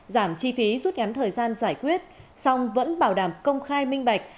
giảm chi phí rút ngắn thời gian giải quyết song vẫn bảo đảm công khai minh bạch